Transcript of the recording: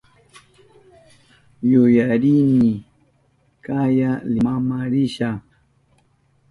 Yuyarini kaya Limama risha.